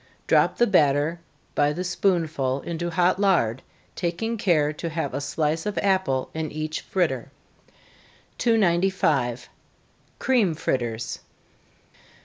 Drop the batter by the spoonful into hot lard, taking care to have a slice of apple in each fritter. 295. _Cream Fritters.